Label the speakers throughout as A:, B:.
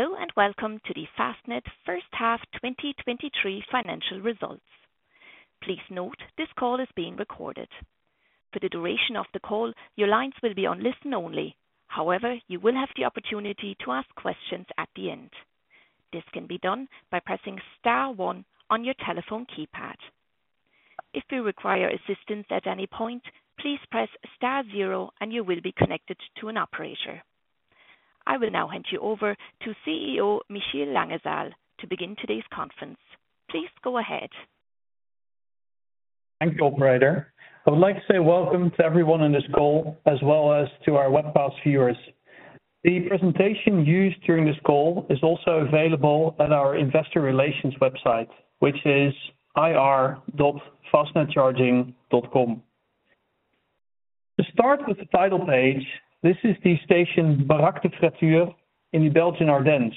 A: Hello, welcome to the Fastned first half 2023 financial results. Please note, this call is being recorded. For the duration of the call, your lines will be on listen only. However, you will have the opportunity to ask questions at the end. This can be done by pressing star one on your telephone keypad. If you require assistance at any point, please press star zero and you will be connected to an operator. I will now hand you over to CEO Michiel Langezaal to begin today's conference. Please go ahead.
B: Thank you, Operator. I would like to say welcome to everyone on this call, as well as to our webcast viewers. The presentation used during this call is also available on our investor relations website, which is ir.fastnedcharging.com. To start with the title page, this is the station Baraque de Fraiture in the Belgian Ardennes.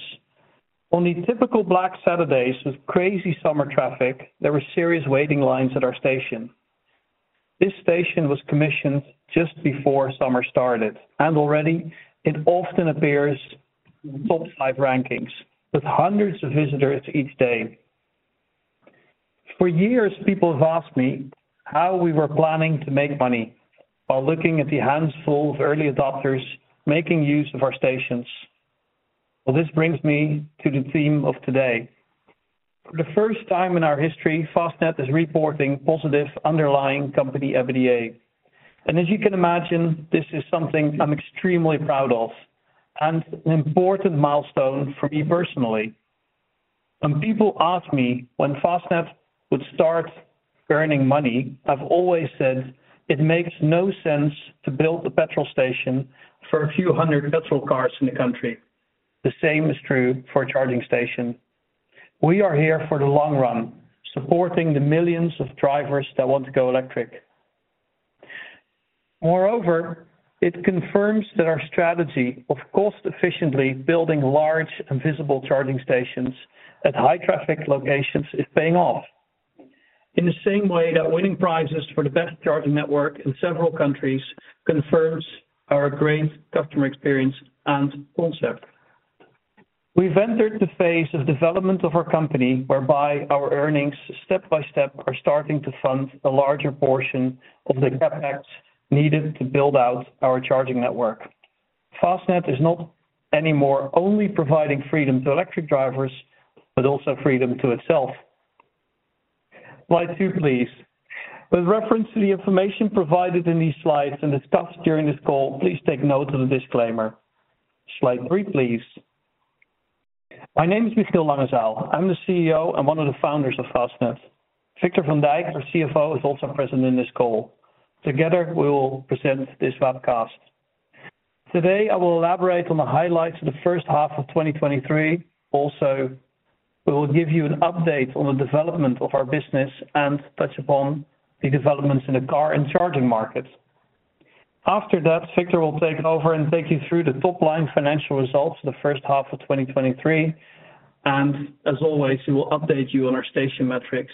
B: On the typical Black Saturdays with crazy summer traffic, there were serious waiting lines at our station. This station was commissioned just before summer started. Already it often appears in top five rankings, with hundreds of visitors each day. For years, people have asked me how we were planning to make money while looking at the handful of early adopters making use of our stations. Well, this brings me to the theme of today. For the first time in our history, Fastned is reporting positive underlying company EBITDA. As you can imagine, this is something I'm extremely proud of and an important milestone for me personally. When people ask me when Fastned would start earning money, I've always said, "It makes no sense to build a gas station for a few hundred gas cars in the country. The same is true for a charging station." We are here for the long run, supporting the millions of drivers that want to go electric. Moreover, it confirms that our strategy of cost efficiently building large and visible charging stations at high traffic locations is paying off. In the same way that winning prizes for the best charging network in several countries confirms our great customer experience and concept. We've entered the phase of development of our company, whereby our earnings step by step, are starting to fund a larger portion of the CapEx needed to build out our charging network. Fastned is not anymore only providing freedom to electric drivers, but also freedom to itself. Slide 2, please. With reference to the information provided in these slides and discussed during this call, please take note of the disclaimer. Slide 3, please. My name is Michiel Langezaal. I'm the CEO and one of the founders of Fastned. Victor van Dijk, our CFO, is also present in this call. Together, we will present this webcast. Today, I will elaborate on the highlights of the first half of 2023. We will give you an update on the development of our business and touch upon the developments in the car and charging markets. After that, Victor will take over and take you through the top-line financial results for the first half of 2023, and as always, he will update you on our station metrics.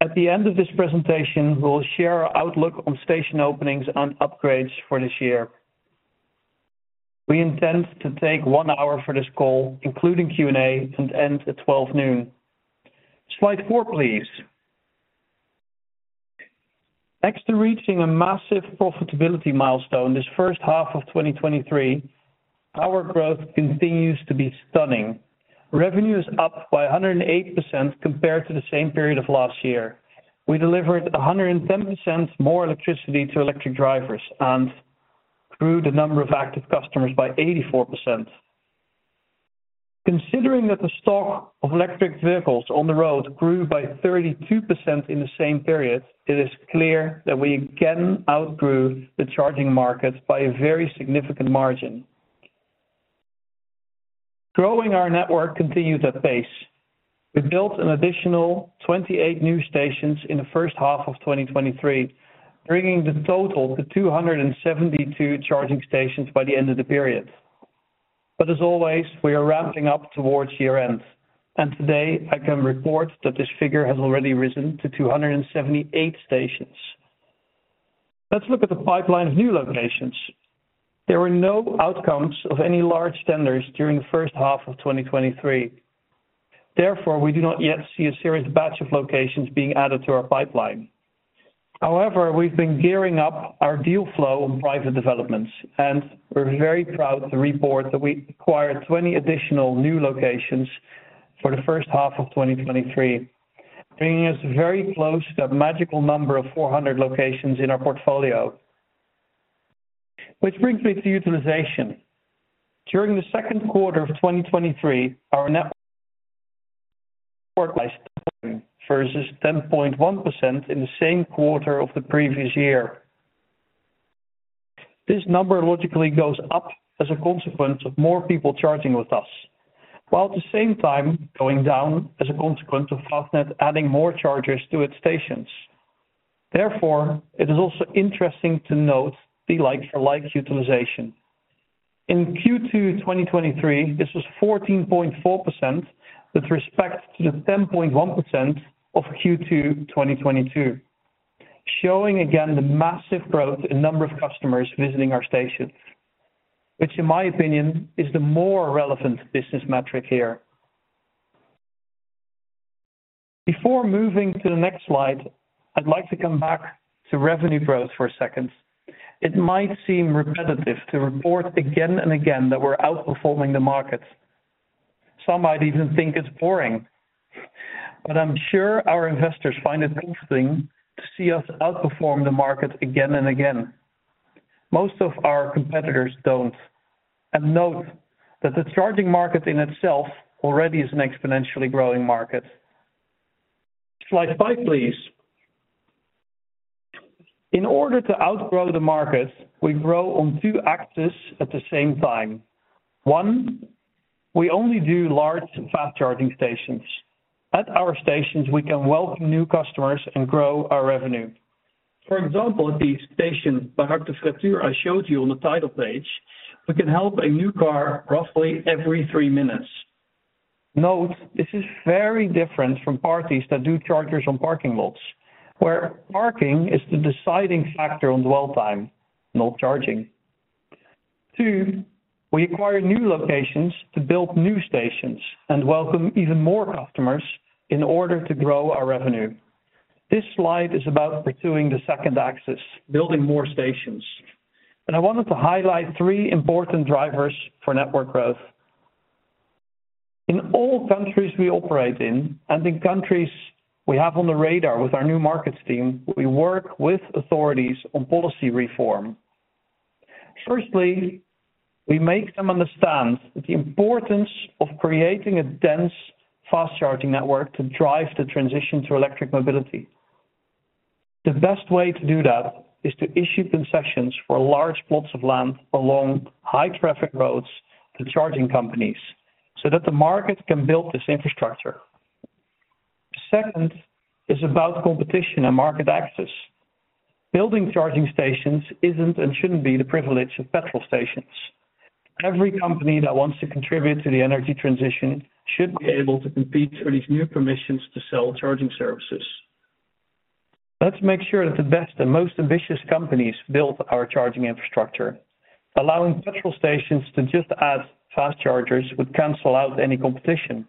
B: At the end of this presentation, we will share our outlook on station openings and upgrades for this year. We intend to take 1 hour for this call, including Q&A, and end at 12:00 P.M. Slide 4, please. Next to reaching a massive profitability milestone, this first half of 2023, our growth continues to be stunning. Revenue is up by 108% compared to the same period of last year. We delivered 110% more electricity to electric drivers and grew the number of active customers by 84%. Considering that the stock of electric vehicles on the road grew by 32% in the same period, it is clear that we again outgrew the charging market by a very significant margin. Growing our network continues at pace. We built an additional 28 new stations in the first half of 2023, bringing the total to 272 charging stations by the end of the period. As always, we are ramping up towards year-end, and today I can report that this figure has already risen to 278 stations. Let's look at the pipeline of new locations. There were no outcomes of any large tenders during the first half of 2023. Therefore, we do not yet see a serious batch of locations being added to our pipeline. We've been gearing up our deal flow on private developments, and we're very proud to report that we acquired 20 additional new locations for the first half of 2023, bringing us very close to that magical number of 400 locations in our portfolio. This brings me to utilization. During the Q2 of 2023, our net- versus 10.1% in the same quarter of the previous year. This number logically goes up as a consequence of more people charging with us, while at the same time going down as a consequence of Fastned adding more chargers to its stations. It is also interesting to note the like-for-like utilization. In Q2 2023, this was 14.4% with respect to the 10.1% of Q2 2022. showing again the massive growth in number of customers visiting our stations, which in my opinion, is the more relevant business metric here. Before moving to the next slide, I'd like to come back to revenue growth for a second. It might seem repetitive to report again and again that we're outperforming the market. Some might even think it's boring, but I'm sure our investors find it interesting to see us outperform the market again and again. Note that the charging market in itself already is an exponentially growing market. Slide 5, please. In order to outgrow the market, we grow on two axes at the same time. One, we only do large fast charging stations. At our stations, we can welcome new customers and grow our revenue. For example, at the station, Baraque de Fraiture, I showed you on the title page, we can help a new car roughly every 3 minutes. Note, this is very different from parties that do chargers on parking lots, where parking is the deciding factor on dwell time, not charging. 2, we acquire new locations to build new stations and welcome even more customers in order to grow our revenue. This slide is about pursuing the second access, building more stations. I wanted to highlight 3 important drivers for network growth. In all countries we operate in. In countries we have on the radar with our new markets team, we work with authorities on policy reform. Firstly, we make them understand the importance of creating a dense, fast-charging network to drive the transition to electric mobility. The best way to do that is to issue concessions for large plots of land along high traffic roads to charging companies, so that the market can build this infrastructure. Second, is about competition and market access. Building charging stations isn't and shouldn't be the privilege of petrol stations. Every company that wants to contribute to the energy transition should be able to compete for these new permissions to sell charging services. Let's make sure that the best and most ambitious companies build our charging infrastructure. Allowing petrol stations to just add fast chargers would cancel out any competition.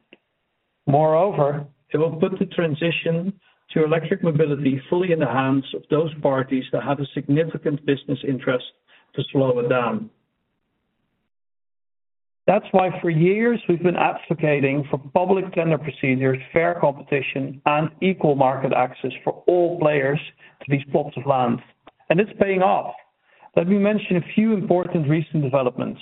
B: Moreover, it will put the transition to electric mobility fully in the hands of those parties that have a significant business interest to slow it down. That's why for years, we've been advocating for public tender procedures, fair competition, and equal market access for all players to these plots of land. It's paying off. Let me mention a few important recent developments.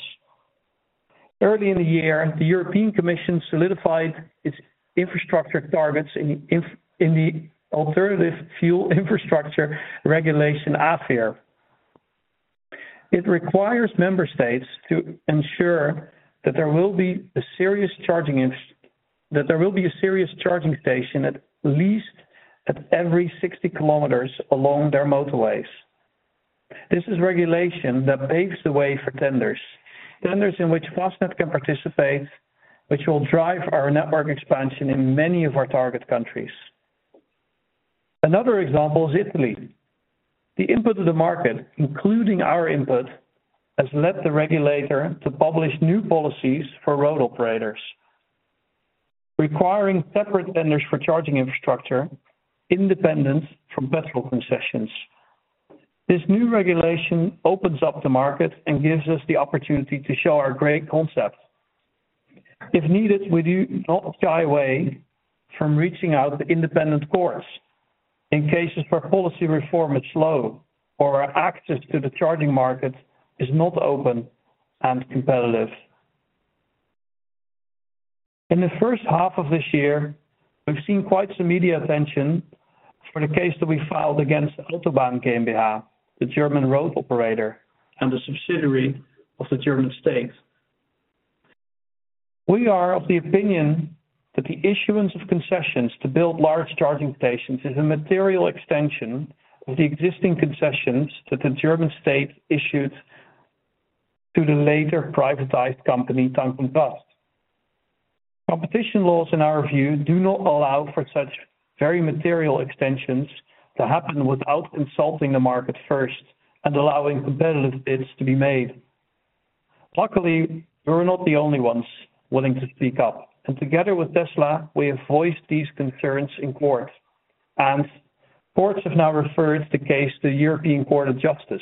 B: Early in the year, the European Commission solidified its infrastructure targets in the Alternative Fuels Infrastructure Regulation, AFIR. It requires member states to ensure that there will be a serious charging station, at least at every 60 kilometers along their motorways. This is regulation that paves the way for tenders. Tenders in which Fastned can participate, which will drive our network expansion in many of our target countries. Another example is Italy. The input of the market, including our input, has led the regulator to publish new policies for road operators, requiring separate tenders for charging infrastructure independent from petrol concessions. This new regulation opens up the market and gives us the opportunity to show our great concept. If needed, we do not shy away from reaching out to independent courts in cases where policy reform is slow or access to the charging market is not open and competitive. In the first half of this year, we've seen quite some media attention for the case that we filed against Autobahn GmbH, the German road operator and a subsidiary of the German state. We are of the opinion that the issuance of concessions to build large charging stations is a material extension of the existing concessions that the German state issued to the later privatized company, Tank & Rast. Competition laws, in our view, do not allow for such very material extensions to happen without consulting the market first and allowing competitive bids to be made. Luckily, we are not the only ones willing to speak up. Together with Tesla, we have voiced these concerns in court. Courts have now referred the case to the European Court of Justice.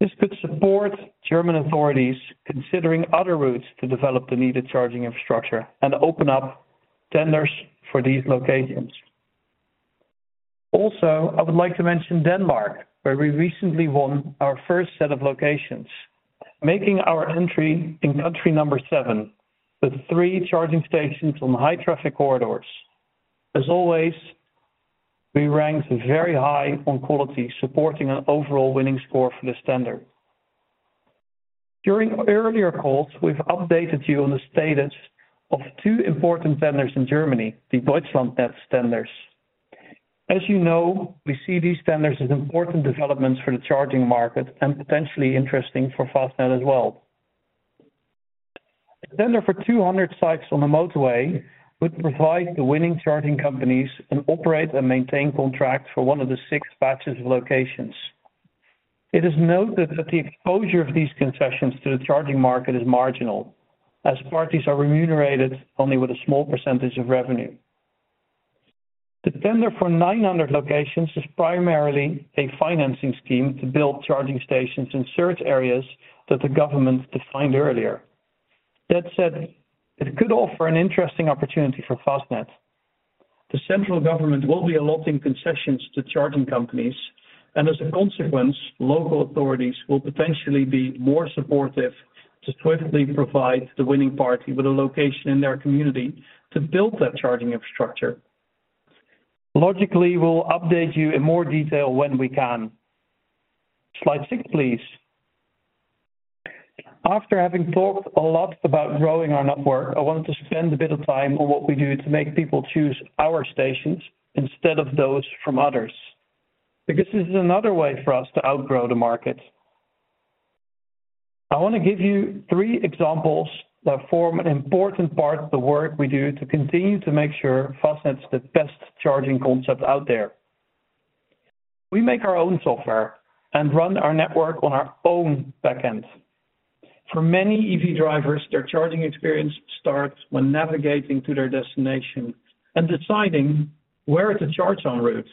B: This could support German authorities considering other routes to develop the needed charging infrastructure and open up tenders for these locations. I would like to mention Denmark, where we recently won our first set of locations, making our entry in country number 7, with 3 charging stations on high traffic corridors. As always, we ranked very high on quality, supporting an overall winning score for this tender. During earlier calls, we've updated you on the status of 2 important tenders in Germany, the Deutschlandnetz tenders. As you know, we see these tenders as important developments for the charging market and potentially interesting for Fastned as well.... The tender for 200 sites on the motorway would provide the winning charging companies an operate and maintain contract for 1 of the 6 batches of locations. It is noted that the exposure of these concessions to the charging market is marginal, as parties are remunerated only with a small percentage of revenue. The tender for 900 locations is primarily a financing scheme to build charging stations in search areas that the government defined earlier. That said, it could offer an interesting opportunity for Fastned. The central government will be allotting concessions to charging companies, and as a consequence, local authorities will potentially be more supportive to swiftly provide the winning party with a location in their community to build that charging infrastructure. Logically, we'll update you in more detail when we can. Slide 6, please. After having talked a lot about growing our network, I wanted to spend a bit of time on what we do to make people choose our stations instead of those from others, because this is another way for us to outgrow the market. I want to give you three examples that form an important part of the work we do to continue to make sure Fastned is the best charging concept out there. We make our own software and run our network on our own back end. For many EV drivers, their charging experience starts when navigating to their destination and deciding where to charge on route.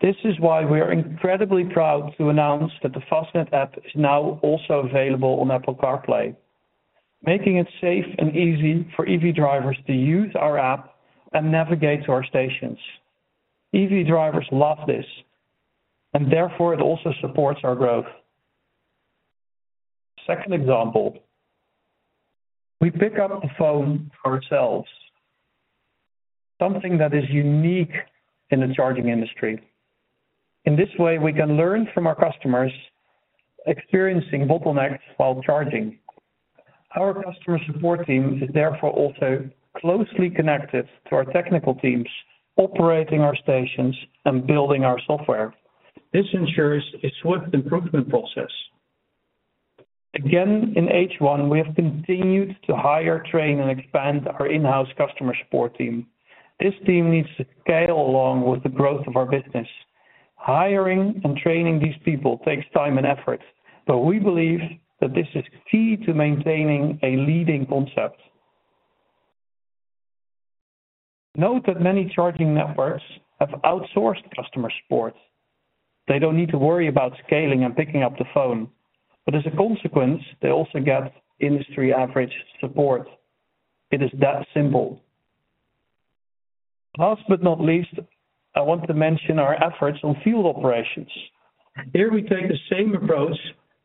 B: This is why we are incredibly proud to announce that the Fastned app is now also available on Apple CarPlay, making it safe and easy for EV drivers to use our app and navigate to our stations. EV drivers love this. Therefore it also supports our growth. Second example, we pick up the phone ourselves, something that is unique in the charging industry. In this way, we can learn from our customers experiencing bottlenecks while charging. Our customer support team is therefore also closely connected to our technical teams, operating our stations and building our software. This ensures a swift improvement process. Again, in H1, we have continued to hire, train, and expand our in-house customer support team. This team needs to scale along with the growth of our business. Hiring and training these people takes time and effort, but we believe that this is key to maintaining a leading concept. Note that many charging networks have outsourced customer support. They don't need to worry about scaling and picking up the phone. As a consequence, they also get industry average support. It is that simple. Last but not least, I want to mention our efforts on field operations. Here we take the same approach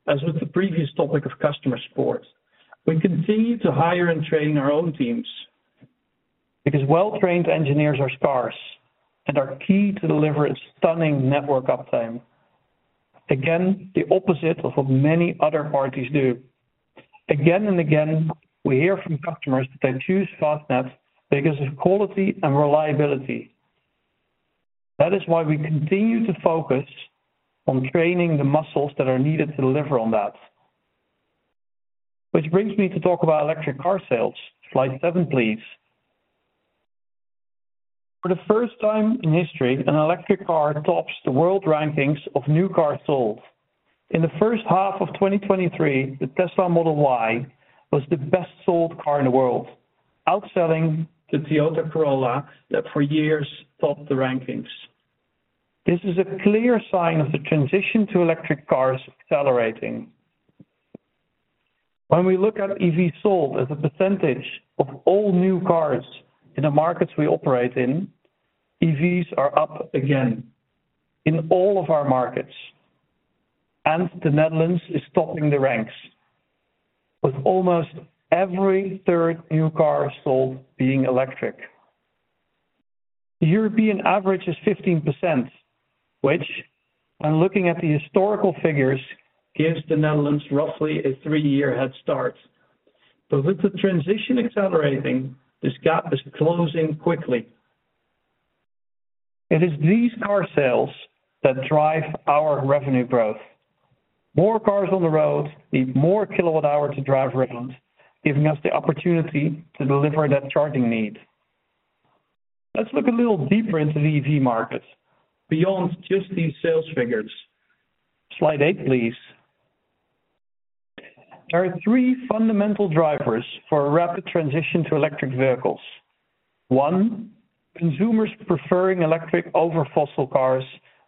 B: as with the previous topic of customer support. We continue to hire and train our own teams, because well-trained engineers are scarce and are key to deliver a stunning network uptime. Again, the opposite of what many other parties do. Again and again, we hear from customers that they choose Fastned because of quality and reliability. That is why we continue to focus on training the muscles that are needed to deliver on that. Which brings me to talk about electric car sales. Slide seven, please. For the first time in history, an electric car tops the world rankings of new cars sold. In the first half of 2023, the Tesla Model Y was the best-sold car in the world, outselling the Toyota Corolla that for years topped the rankings. This is a clear sign of the transition to electric cars accelerating. When we look at EVs sold as a percentage of all new cars in the markets we operate in, EVs are up again in all of our markets. The Netherlands is topping the ranks, with almost every third new car sold being electric. The European average is 15%, which, when looking at the historical figures, gives the Netherlands roughly a 3-year head start. With the transition accelerating, this gap is closing quickly. It is these car sales that drive our revenue growth. More cars on the road need more kilowatt-hours to drive around, giving us the opportunity to deliver that charging need. Let's look a little deeper into the EV market, beyond just these sales figures. Slide 8, please. There are 3 fundamental drivers for a rapid transition to electric vehicles. 1, consumers preferring electric over fossil cars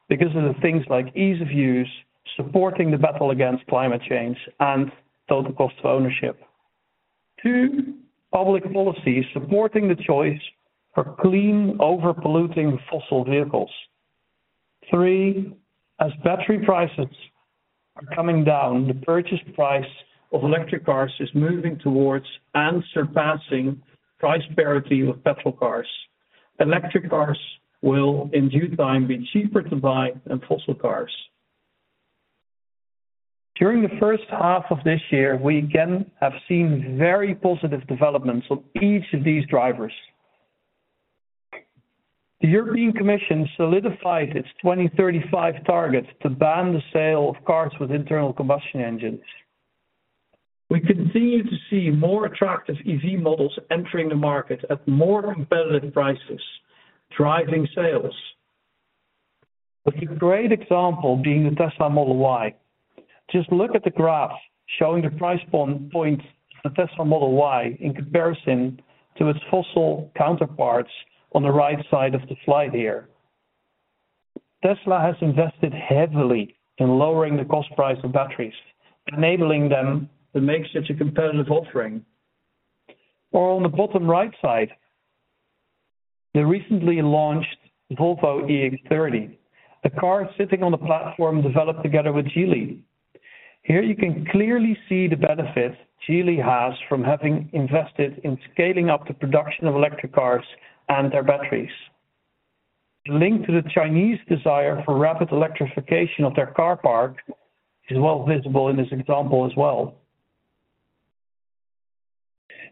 B: because of the things like ease of use, supporting the battle against climate change, and total cost of ownership. 2, public policy supporting the choice for clean over polluting fossil vehicles. 3, as battery prices are coming down, the purchase price of electric cars is moving towards and surpassing price parity with petrol cars. Electric cars will, in due time, be cheaper to buy than fossil cars. During the first half of this year, we again have seen very positive developments on each of these drivers. The European Commission solidified its 2035 target to ban the sale of cars with internal combustion engines. We continue to see more attractive EV models entering the market at more competitive prices, driving sales, with a great example being the Tesla Model Y. Just look at the graph showing the price point for the Tesla Model Y in comparison to its fossil counterparts on the right side of the slide here. Tesla has invested heavily in lowering the cost price of batteries, enabling them to make such a competitive offering. On the bottom right side, the recently launched Volvo EX30, a car sitting on the platform developed together with Geely. Here you can clearly see the benefit Geely has from having invested in scaling up the production of electric cars and their batteries. The link to the Chinese desire for rapid electrification of their car park is well visible in this example as well.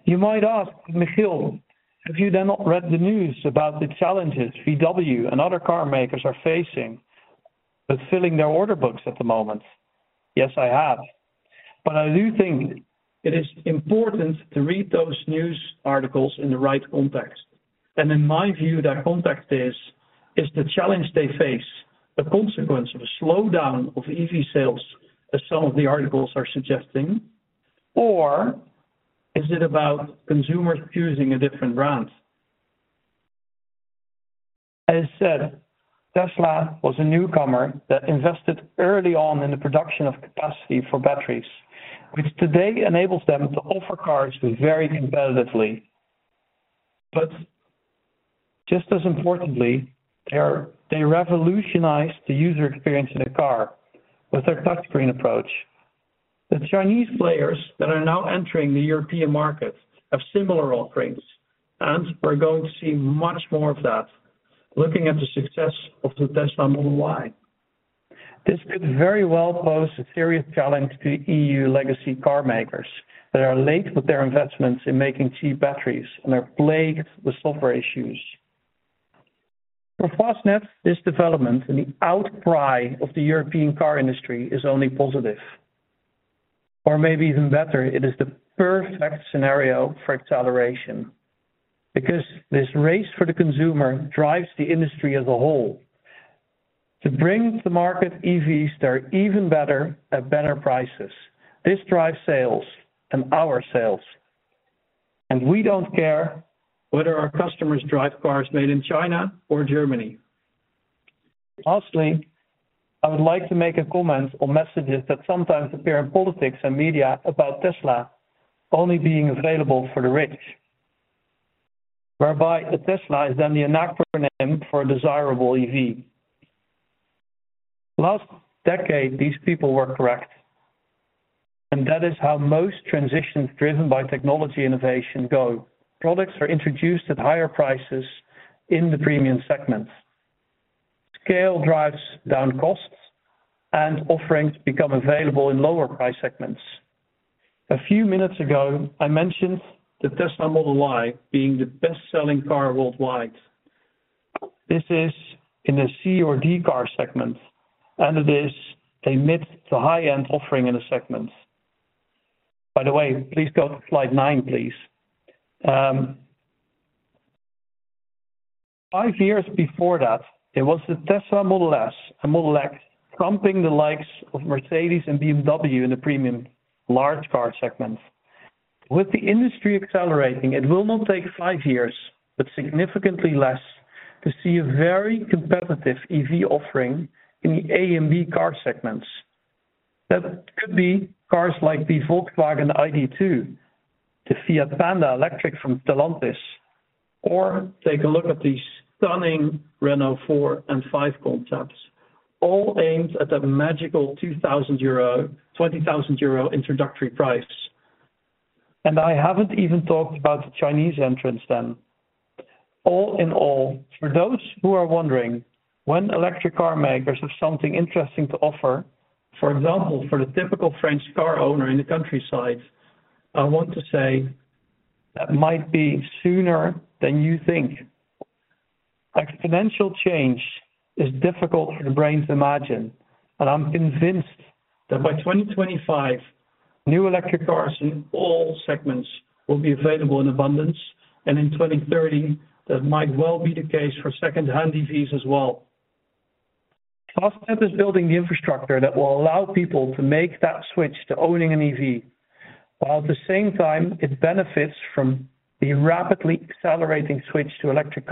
B: You might ask, Michiel, have you then not read the news about the challenges VW and other car makers are facing with filling their order books at the moment? Yes, I have, but I do think it is important to read those news articles in the right context. In my view, that context is, is the challenge they face a consequence of a slowdown of EV sales, as some of the articles are suggesting? Or is it about consumers choosing a different brand? As I said, Tesla was a newcomer that invested early on in the production of capacity for batteries, which today enables them to offer cars very competitively. Just as importantly, they're they revolutionized the user experience in a car with their touchscreen approach. The Chinese players that are now entering the European market have similar offerings, and we're going to see much more of that, looking at the success of the Tesla Model Y. This could very well pose a serious challenge to EU legacy car makers that are late with their investments in making cheap batteries and are plagued with software issues. For Fastned, this development and the outcry of the European car industry is only positive, or maybe even better, it is the perfect scenario for acceleration, because this race for the consumer drives the industry as a whole. To bring to the market, EVs that are even better at better prices, this drives sales and our sales, and we don't care whether our customers drive cars made in China or Germany. Lastly, I would like to make a comment on messages that sometimes appear in politics and media about Tesla only being available for the rich, whereby a Tesla is then the acronym for a desirable EV. Last decade, these people were correct, and that is how most transitions driven by technology innovation go. Products are introduced at higher prices in the premium segments. Scale drives down costs, and offerings become available in lower price segments. A few minutes ago, I mentioned the Tesla Model Y being the best-selling car worldwide. This is in the C or D car segment, and it is a mid to high-end offering in the segment. By the way, please go to slide 9, please. 5 years before that, it was the Tesla Model S and Model X trumping the likes of Mercedes-Benz and BMW in the premium large car segment. With the industry accelerating, it will not take 5 years, but significantly less, to see a very competitive EV offering in the A and B car segments. That could be cars like the Volkswagen ID.2, the Fiat Grande Panda from Stellantis, or take a look at these stunning Renault 4 and 5 concepts, all aimed at that magical 2,000 euro, 20,000 euro introductory price. I haven't even talked about the Chinese entrants then. All in all, for those who are wondering when electric car makers have something interesting to offer, for example, for the typical French car owner in the countryside, I want to say that might be sooner than you think. Exponential change is difficult for the brain to imagine, and I'm convinced that by 2025, new electric cars in all segments will be available in abundance, and in 2030, that might well be the case for second-hand EVs as well. Fastned is building the infrastructure that will allow people to make that switch to owning an EV, while at the same time it benefits from the rapidly accelerating switch to electric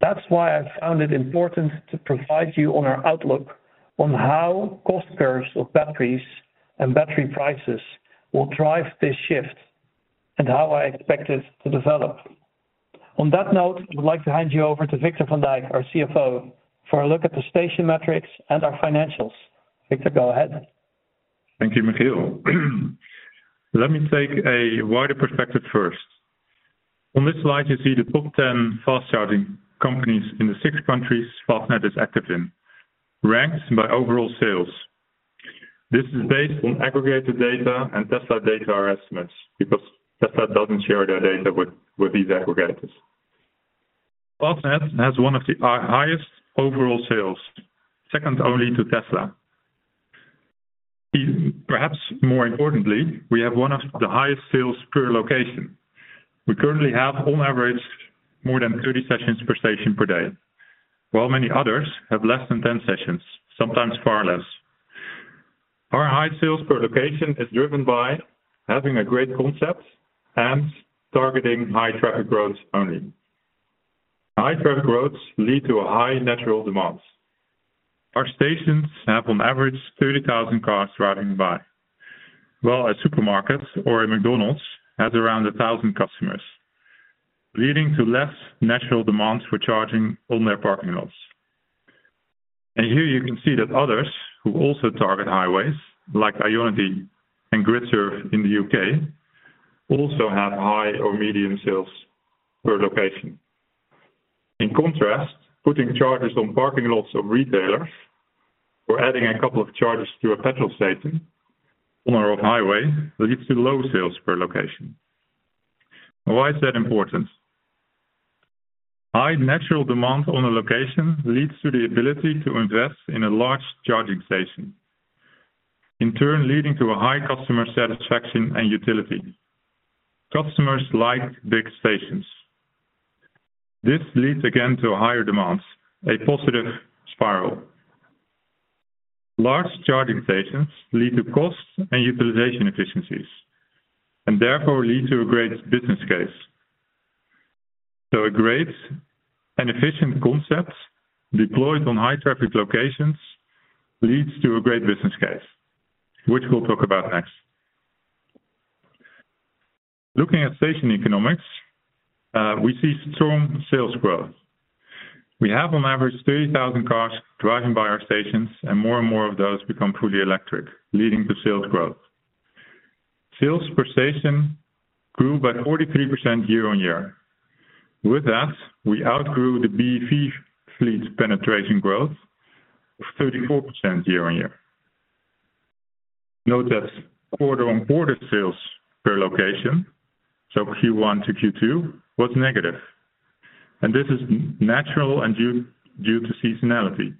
B: cars. That's why I found it important to provide you on our outlook on how cost curves of batteries and battery prices will drive this shift and how I expect it to develop. On that note, I would like to hand you over to Victor van Dijk, our CFO, for a look at the station metrics and our financials. Victor, go ahead.
C: Thank you, Michiel. Let me take a wider perspective first. On this slide, you see the top 10 fast charging companies in the six countries Fastned is active in, ranked by overall sales. This is based on aggregated data, Tesla data are estimates, because Tesla doesn't share their data with these aggregators. Fastned has one of the highest overall sales, second only to Tesla. Perhaps more importantly, we have one of the highest sales per location. We currently have, on average, more than 30 sessions per station per day, while many others have less than 10 sessions, sometimes far less. Our high sales per location is driven by having a great concept and targeting high traffic growth only. High traffic growths lead to a high natural demand. Our stations have on average 30,000 cars driving by, while a supermarket or a McDonald's has around 1,000 customers, leading to less natural demand for charging on their parking lots. Here you can see that others who also target highways, like IONITY and GRIDSERVE in the UK, also have high or medium sales per location. In contrast, putting chargers on parking lots of retailers or adding a couple of chargers to a petrol station on or off highway, leads to low sales per location. Why is that important? High natural demand on a location leads to the ability to invest in a large charging station, in turn, leading to a high customer satisfaction and utility. Customers like big stations. This leads again to a higher demand, a positive spiral. Large charging stations lead to cost and utilization efficiencies, and therefore lead to a great business case. A great and efficient concept deployed on high traffic locations leads to a great business case, which we'll talk about next. Looking at station economics, we see strong sales growth. We have on average 30,000 cars driving by our stations, and more and more of those become fully electric, leading to sales growth. Sales per station grew by 43% year-over-year. With that, we outgrew the BEV fleet penetration growth of 34% year-over-year. Note that quarter-over-quarter sales per location, so Q1 to Q2, was negative, and this is natural and due to seasonality.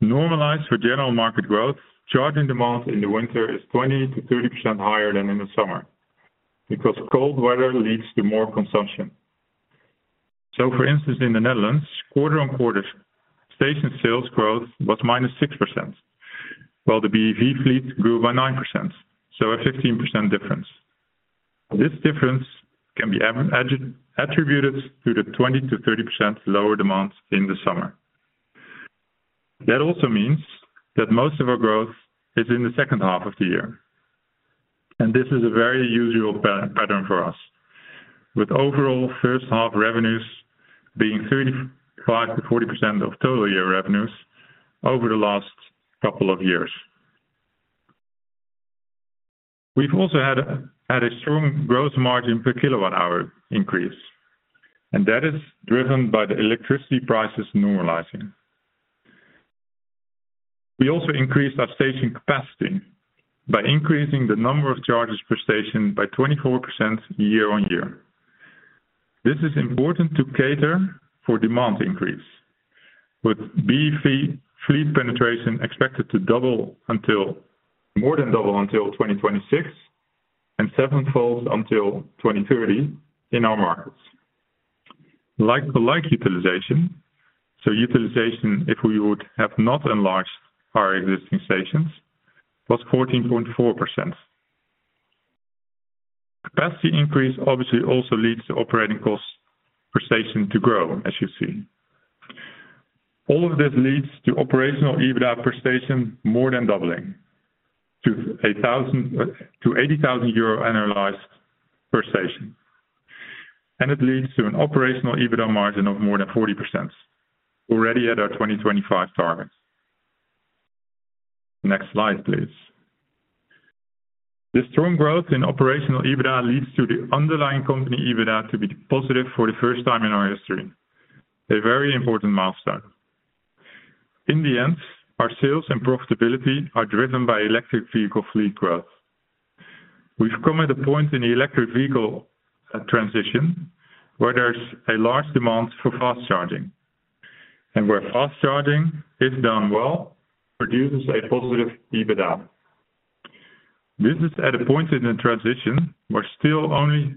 C: Normalized for general market growth, charging demand in the winter is 20%-30% higher than in the summer, because cold weather leads to more consumption. For instance, in the Netherlands, quarter-on-quarter station sales growth was -6%, while the BEV fleet grew by 9%, a 15% difference. This difference can be attributed to the 20%-30% lower demand in the summer. Also means that most of our growth is in the second half of the year, and this is a very usual pattern for us, with overall first half revenues being 35%-40% of total year revenues over the last couple of years. We've also had a strong growth margin per kilowatt-hour increase, and that is driven by the electricity prices normalizing. We also increased our station capacity by increasing the number of chargers per station by 24% year-on-year. This is important to cater for demand increase, with BEV fleet penetration expected to double until-- more than double until 2026, and sevenfold until 2030 in our markets. Like-for-like utilization, so utilization, if we would have not enlarged our existing stations, was 14.4%. Capacity increase obviously also leads to operating costs per station to grow, as you see. All of this leads to operational EBITDA per station more than doubling to 1,000, to 80,000 euro annualized per station, and it leads to an operational EBITDA margin of more than 40%, already at our 2025 targets. Next slide, please. The strong growth in operational EBITDA leads to the underlying company EBITDA to be positive for the first time in our history, a very important milestone. In the end, our sales and profitability are driven by electric vehicle fleet growth. We've come at a point in the electric vehicle transition, where there's a large demand for fast charging, and where fast charging, if done well, produces a positive EBITDA. This is at a point in the transition, where still only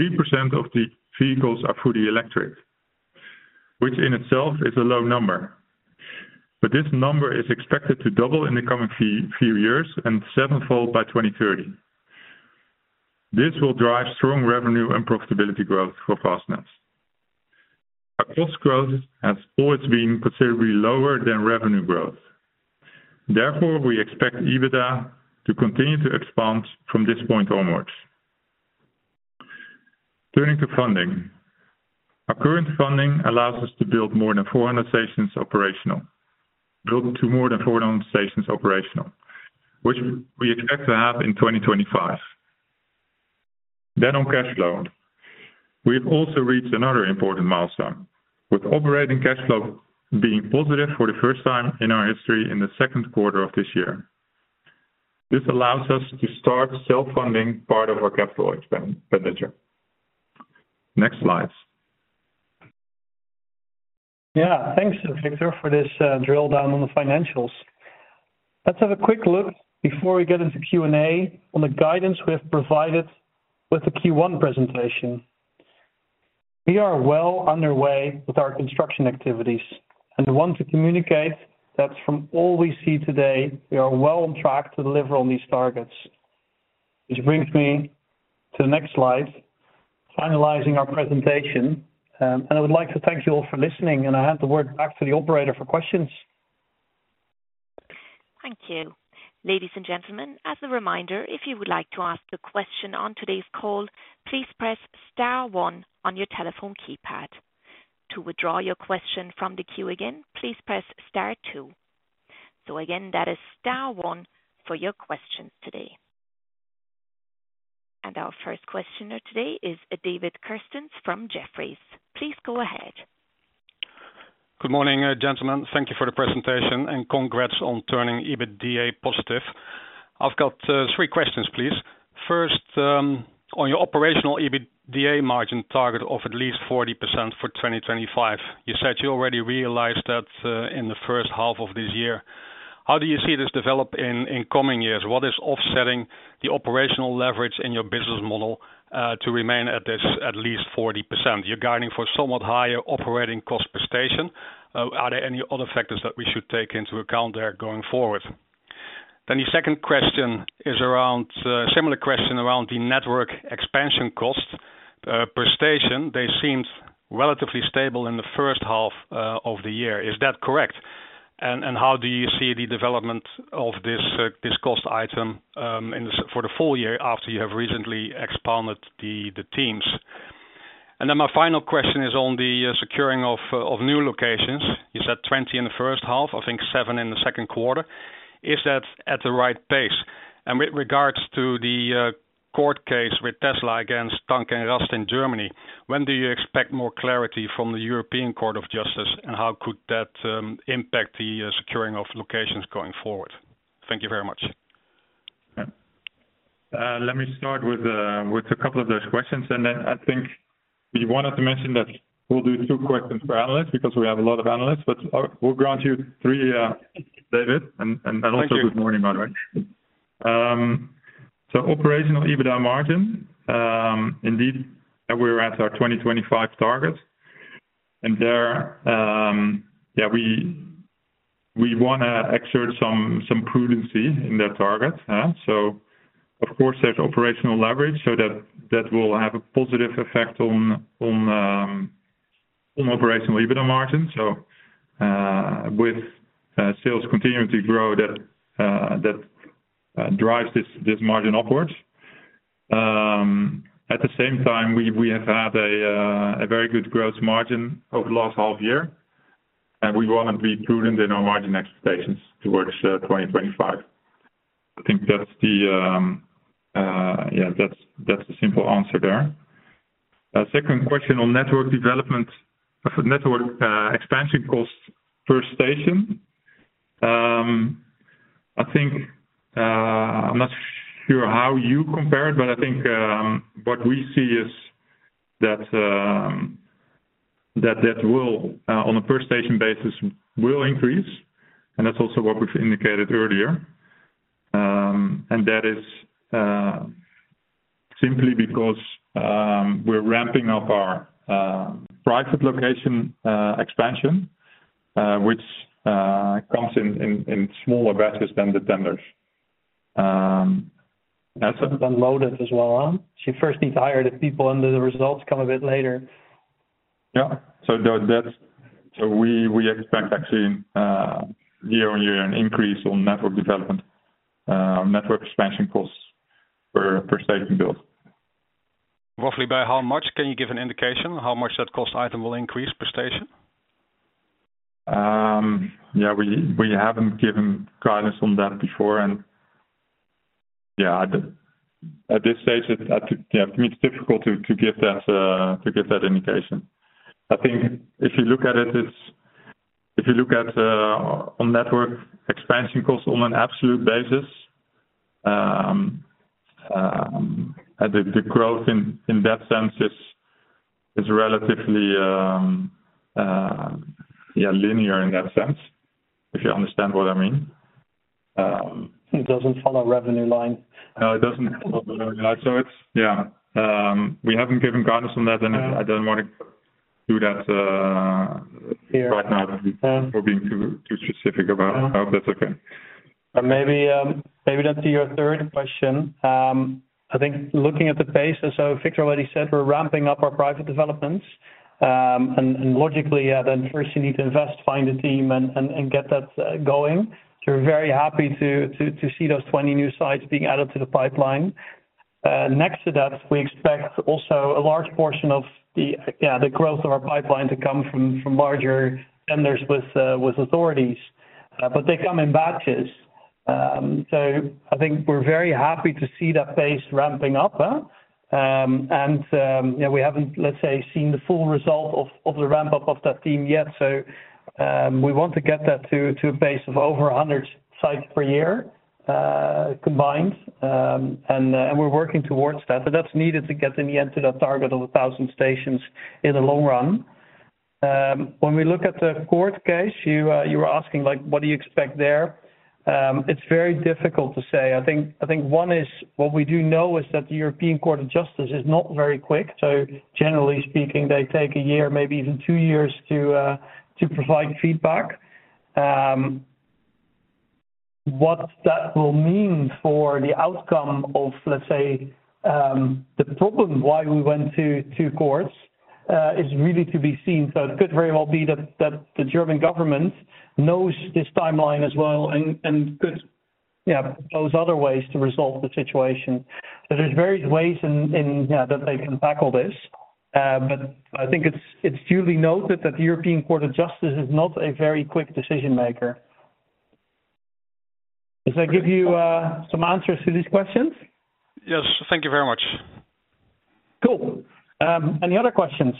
C: 3% of the vehicles are fully electric, which in itself is a low number, but this number is expected to double in the coming few, few years and sevenfold by 2030. This will drive strong revenue and profitability growth for Fastned. Our cost growth has always been considerably lower than revenue growth. Therefore, we expect EBITDA to continue to expand from this point onwards. Turning to funding, our current funding allows us to build to more than 400 stations operational, which we expect to have in 2025. On cash flow, we've also reached another important milestone, with operating cash flow being positive for the first time in our history in the Q2 of this year. This allows us to start self-funding part of our capital expenditure. Next slide.
B: Yeah, thanks, Victor, for this drill down on the financials. Let's have a quick look before we get into Q&A on the guidance we have provided with the Q1 presentation. We are well underway with our construction activities. We want to communicate that from all we see today, we are well on track to deliver on these targets. Which brings me to the next slide, finalizing our presentation. I would like to thank you all for listening, and I hand the word back to the operator for questions.
A: Thank you. Ladies and gentlemen, as a reminder, if you would like to ask a question on today's call, please press star one on your telephone keypad. To withdraw your question from the queue again, please press star two. Again, that is star 1 for your questions today. Our first questioner today is David Kerstens from Jefferies. Please go ahead.
D: Good morning, gentlemen. Thank you for the presentation. Congrats on turning EBITDA positive. I've got 3 questions, please. First, on your operational EBITDA margin target of at least 40% for 2025, you said you already realized that in the first half of this year. How do you see this develop in coming years? What is offsetting the operational leverage in your business model to remain at this at least 40%? You're guiding for somewhat higher operating cost per station. Are there any other factors that we should take into account there going forward? The second question is around similar question around the network expansion cost per station. They seemed relatively stable in the first half of the year. Is that correct? How do you see the development of this cost item for the full year after you have recently expanded the teams? My final question is on the securing of new locations. You said 20 in the first half, I think 7 in the Q2. Is that at the right pace? With regards to the court case with Tesla against Tank & Rast in Germany, when do you expect more clarity from the European Court of Justice, and how could that impact the securing of locations going forward? Thank you very much.
C: Let me start with, with a couple of those questions. Then I think we wanted to mention that we'll do two questions for analysts, because we have a lot of analysts. We'll grant you three, David.
D: Thank you.
C: Good morning, by the way. Operational EBITDA margin, indeed, we're at our 2025 target. Yeah, we, we wanna exert some, some prudence in that target, huh? Of course, there's operational leverage, so that, that will have a positive effect on, on operational EBITDA margin. With sales continuing to grow, that, that drives this, this margin upwards. At the same time, we, we have had a very good growth margin over the last half year, and we want to be prudent in our margin expectations towards 2025. I think that's the, yeah, that's, that's the simple answer there. Second question on network development, network expansion costs per station. I think, I'm not sure how you compare it, but I think, what we see is that, that, that will, on a per station basis, will increase, and that's also what we've indicated earlier. That is, simply because, we're ramping up our, private location, expansion, which, comes in, in, in smaller batches than the tenders, and so.
B: Unloaded as well, huh? You first need to hire the people, and the results come a bit later.
C: Yeah. That, so we, we expect actually, year-on-year, an increase on network development, network expansion costs per, per station build.
D: Roughly by how much? Can you give an indication how much that cost item will increase per station?
C: Yeah, we, we haven't given guidance on that before, and, yeah, at this stage, it, I think, yeah, to me, it's difficult to, to give that to give that indication. I think if you look at it, if you look at on network expansion costs on an absolute basis, the, the growth in, in that sense is, is relatively, yeah, linear in that sense, if you understand what I mean.
B: It doesn't follow revenue line.
C: It doesn't follow revenue line. It's... Yeah, we haven't given guidance on that, and I don't want to do that right now, or being too, too specific about. I hope that's okay.
B: Maybe, maybe then to your third question, I think looking at the pace, and so Victor already said we're ramping up our private developments. Logically, then first you need to invest, find a team and, and, and get that going. We're very happy to, to, to see those 20 new sites being added to the pipeline. Next to that, we expect also a large portion of the, the growth of our pipeline to come from, from larger tenders with, with authorities, but they come in batches.... I think we're very happy to see that pace ramping up. We haven't, let's say, seen the full result of, of the ramp-up of that team yet. We want to get that to, to a base of over 100 sites per year, combined. And we're working towards that, but that's needed to get in the end to that target of 1,000 stations in the long run. When we look at the court case, you were asking, like, what do you expect there? It's very difficult to say. I think, I think one is, what we do know is that the European Court of Justice is not very quick. Generally speaking, they take a year, maybe even two years to provide feedback. What that will mean for the outcome of, let's say, the problem why we went to, to courts, is really to be seen. It could very well be that, that the German government knows this timeline as well and, and could, yeah, propose other ways to resolve the situation. There's various ways in, in, yeah, that they can tackle this. I think it's, it's duly noted that the European Court of Justice is not a very quick decision maker. Does that give you some answers to these questions?
D: Yes. Thank you very much.
B: Cool. Any other questions?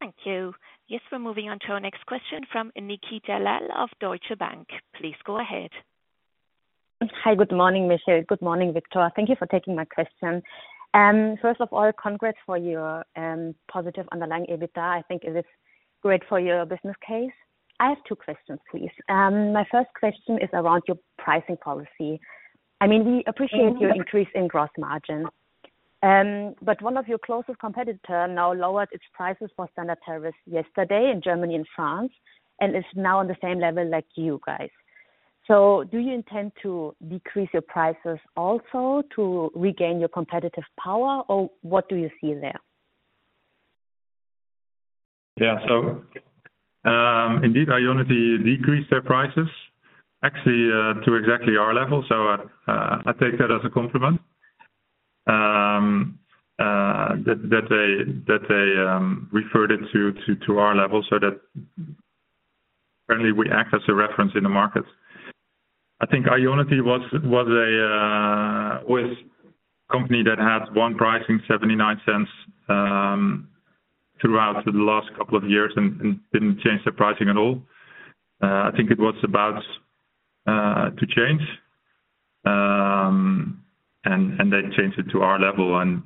A: Thank you. Yes, we're moving on to our next question from Nikita Lalwani of Deutsche Bank. Please go ahead.
E: Hi, good morning, Michiel. Good morning, Victor. Thank you for taking my question. First of all, congrats for your positive underlying EBITDA. I think it is great for your business case. I have two questions, please. My first question is around your pricing policy. I mean, we appreciate your increase in gross margin. One of your closest competitor now lowered its prices for standard chargers yesterday in Germany and France, and is now on the same level like you guys. Do you intend to decrease your prices also to regain your competitive power, or what do you see there?
C: Indeed, IONITY decreased their prices, actually, to exactly our level. I take that as a compliment. That they referred it to our level, so that currently we act as a reference in the markets. I think IONITY was a company that had one pricing 0.79, throughout the last couple of years and didn't change their pricing at all. I think it was about to change, and they changed it to our level and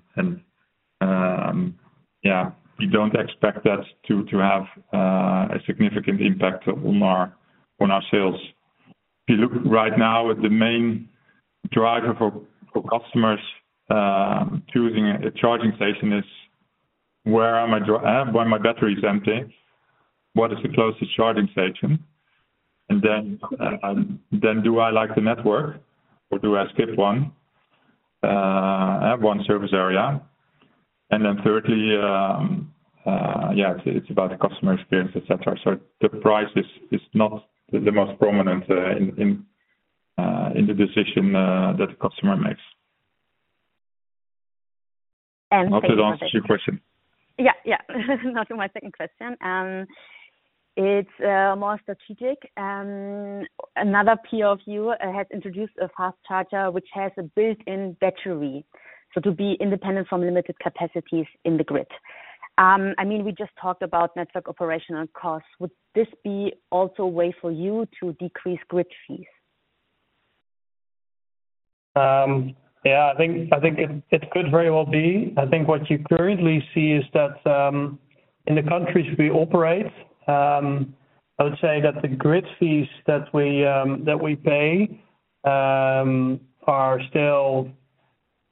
C: we don't expect that to have a significant impact on our sales. If you look right now at the main driver for customers, choosing a charging station is where my battery is empty, what is the closest charging station? Then, then do I like the network or do I skip one at one service area? Then thirdly, yeah, it's, it's about the customer experience, et cetera. The price is, is not the most prominent in, in, in the decision that the customer makes. Hope that answers your question.
E: Yeah, yeah. To my second question, it's more strategic. Another peer of you has introduced a fast charger, which has a built-in battery, so to be independent from limited capacities in the grid. I mean, we just talked about network operational costs. Would this be also a way for you to decrease grid fees?
B: Yeah, I think, I think it, it could very well be. I think what you currently see is that, in the countries we operate, I would say that the grid fees that we, that we pay, are still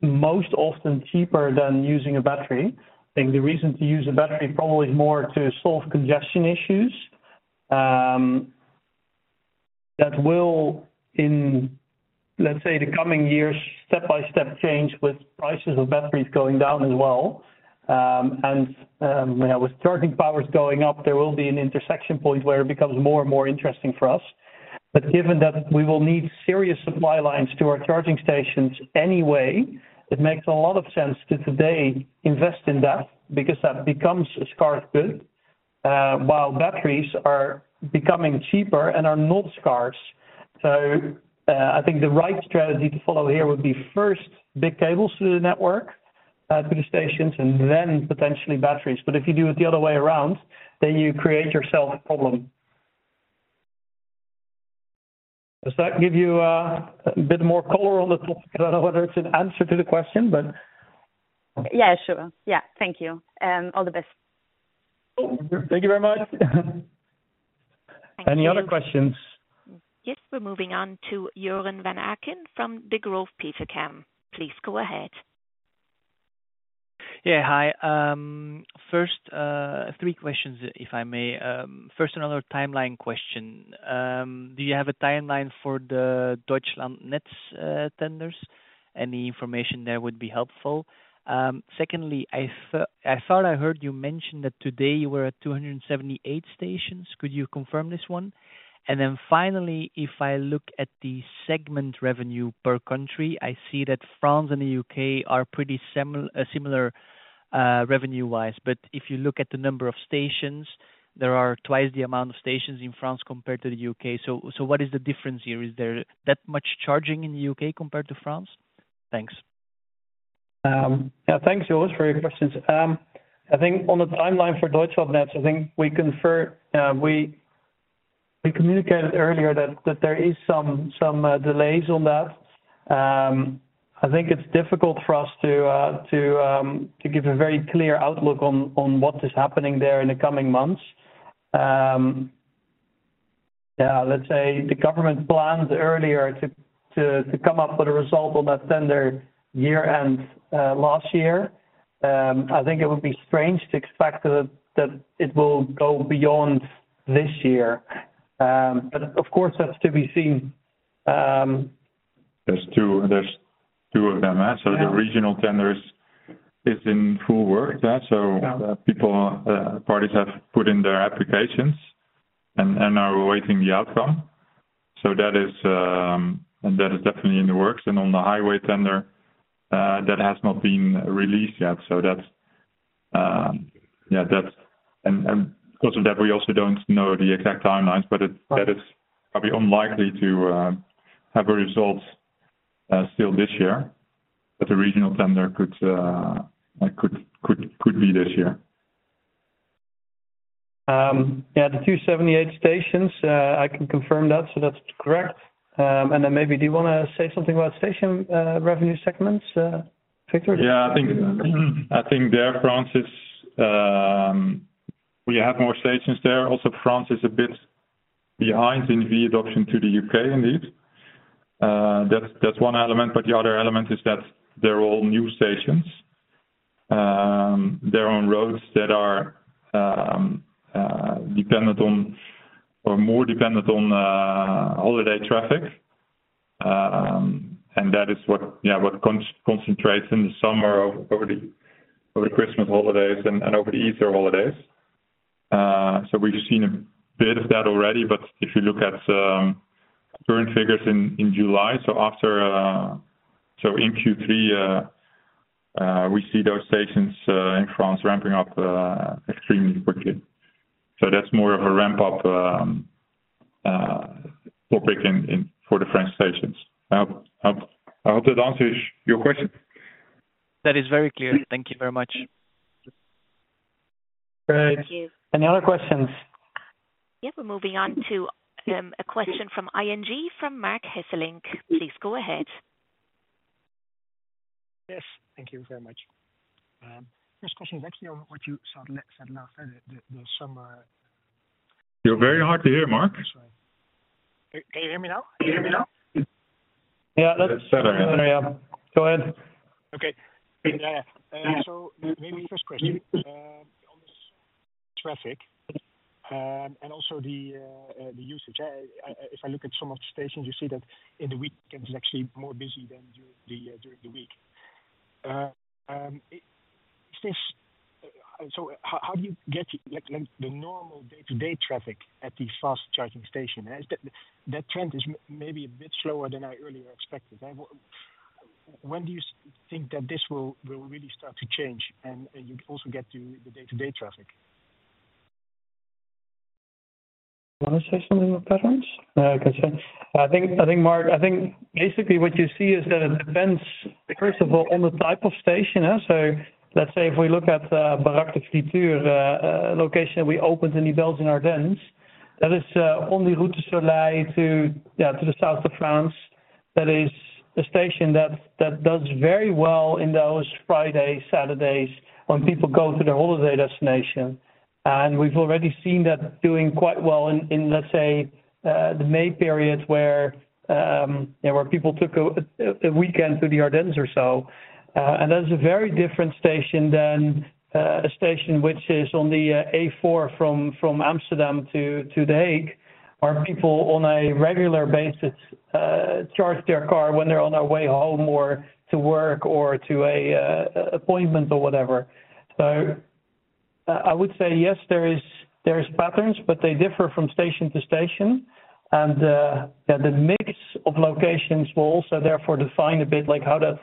B: most often cheaper than using a battery. I think the reason to use a battery probably is more to solve congestion issues, that will in, let's say, the coming years, step-by-step change with prices of batteries going down as well. You know, with charging powers going up, there will be an intersection point where it becomes more and more interesting for us. Given that we will need serious supply lines to our charging stations anyway, it makes a lot of sense to today invest in that, because that becomes a scarce good, while batteries are becoming cheaper and are not scarce. I think the right strategy to follow here would be first, big cables to the network, to the stations, and then potentially batteries. If you do it the other way around, then you create yourself a problem. Does that give you a bit more color on the topic? I don't know whether it's an answer to the question, but...
E: Yeah, sure. Yeah. Thank you. All the best.
B: Cool. Thank you very much.
E: Thank you.
B: Any other questions?
A: Yes, we're moving on to Joren van Aken from Degroof Petercam. Please go ahead.
F: Yeah, hi. First, 3 questions, if I may. First, another timeline question. Do you have a timeline for the Deutschlandnetz tenders? Any information there would be helpful. Secondly, I thought I heard you mention that today you were at 278 stations. Could you confirm this one? Finally, if I look at the segment revenue per country, I see that France and the UK are pretty similar revenue-wise. If you look at the number of stations, there are twice the amount of stations in France compared to the UK. What is the difference here? Is there that much charging in the UK compared to France? Thanks.
B: Thanks, Joren, for your questions. I think on the timeline for Deutschlandnetz, I think we confer, we communicated earlier that there is some delays on that. I think it's difficult for us to to give a very clear outlook on what is happening there in the coming months. The government planned earlier to to to come up with a result on that tender year-end last year. I think it would be strange to expect that it will go beyond this year. Of course, that's to be seen.
C: There's 2, there's 2 of them, the regional tenders is in full work. People, parties have put in their applications and are awaiting the outcome. That is, that is definitely in the works and on the highway tender, that has not been released yet. That's, yeah, that's. Because of that, we also don't know the exact timelines, that is probably unlikely to have a result still this year. The regional tender could, could, could, could be this year.
B: Yeah, the 278 stations, I can confirm that, so that's correct. Then maybe do you want to say something about station, revenue segments, Victor?
C: Yeah, I think, I think there, France is, we have more stations there. France is a bit behind in the adoption to the UK, indeed. That's, that's one element, but the other element is that they're all new stations. They're on roads that are dependent on or more dependent on holiday traffic. That is what, yeah, what concentrates in the summer over the, over the Christmas holidays and, and over the Easter holidays. We've seen a bit of that already, but if you look at current figures in July, so after, so in Q3, we see those stations in France ramping up extremely quickly. That's more of a ramp up topic in, in, for the French stations. I hope that answers your question.
F: That is very clear. Thank you very much.
B: Great.
A: Thank you.
B: Any other questions?
A: Yeah, we're moving on to a question from ING, from Marc Hesselink. Please go ahead.
G: Yes, thank you very much. First question is actually on what you said last, the summer.
C: You're very hard to hear, Mark.
G: Sorry. Can, can you hear me now? Can you hear me now?
B: Yeah, that's better. Yeah. Go ahead.
G: Okay, yeah. Maybe first question, on this traffic and also the usage. If I look at some of the stations, you see that in the weekend, it's actually more busy than during the week. How do you get, like, the normal day-to-day traffic at the fast-charging station? That trend is maybe a bit slower than I earlier expected. When do you think that this will really start to change and you also get to the day-to-day traffic?
B: You want to say something about patterns? Okay. I think, I think, Marc, I think basically what you see is that it depends, first of all, on the type of station. Let's say if we look at, Baraque de Fraiture, location we opened in the Belgian Ardennes, that is, on the Autoroute du Soleil to, yeah, to the south of France. That is a station that, that does very well in those Fridays, Saturdays, when people go to their holiday destination. We've already seen that doing quite well in, in, let's say, the May periods where, where people took a, a weekend to the Ardennes or so. That is a very different station than a station which is on the A4 from Amsterdam to The Hague, where people on a regular basis charge their car when they're on their way home, or to work, or to an appointment or whatever. So I would say, yes, there is, there is patterns, but they differ from station to station. The mix of locations will also therefore define a bit like how that,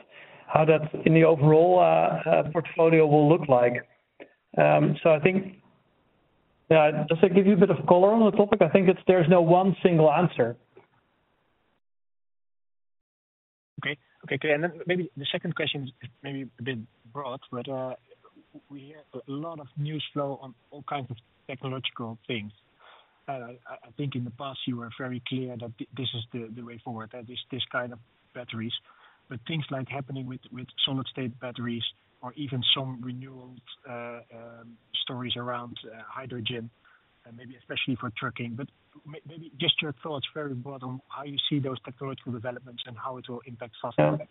B: how that in the overall portfolio will look like. So I think, does that give you a bit of color on the topic? I think it's, there's no one single answer.
G: Okay, okay, great. Then maybe the second question is maybe a bit broad, but, we hear a lot of news flow on all kinds of technological things. I, I think in the past, you were very clear that this is the, the way forward, that this, this kind of batteries, but things like happening with, with solid-state batteries or even some renewal, stories around, hydrogen, and maybe especially for trucking, but maybe just your thoughts very broad on how you see those technological developments and how it will impact Fastned.